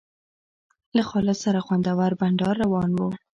له خالد سره خوندور بنډار روان و.